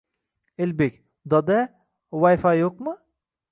Elbek: doda vay fay yukmi?